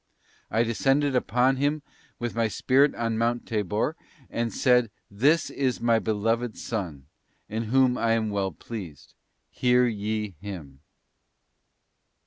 I des cended upon Him with My Spirit on Mount Tabor and said, 'This is My Beloved Son, in whom I am well pleased, hear ye Him.